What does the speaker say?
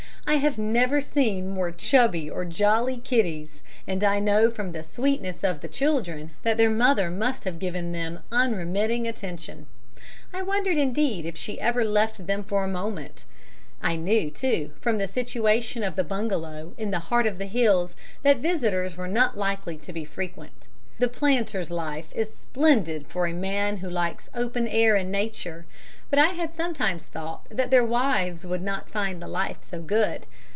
I have never seen more chubby or jolly kiddies, and I know from the sweetness of the children that their mother must have given them unremitting attention. I wondered indeed if she ever left them for a moment. I knew, too, from the situation of the bungalow in the heart of the hills that visitors were not likely to be frequent. The planter's life is splendid for a man who likes open air and nature, but I had sometimes thought that their wives would not find the life so good.